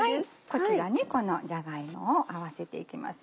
こちらにこのじゃが芋を合わせていきます。